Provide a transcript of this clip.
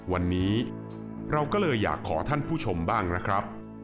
วันนี้เราก็เลยอยากขอท่านผู้ชมบ้างนะครับ